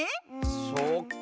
そっかあ。